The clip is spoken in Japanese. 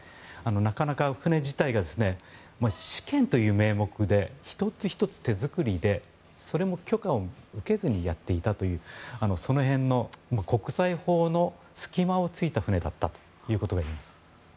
なかなか船自体が試験という名目で１つ１つ手作りでそれも許可を得ずにやっていたというその辺の国際法の隙間を突いた船だったということが言えます。